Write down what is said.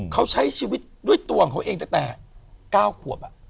เขาใช้ชีวิตด้วยตัวของเขาเองตั้งแต่๙ขวบ